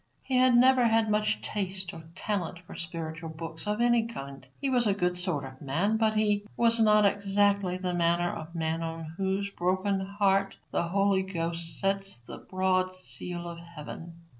He had never had much taste or talent for spiritual books of any kind. He was a good sort of man, but he was not exactly the manner of man on whose broken heart the Holy Ghost sets the broad seal of heaven.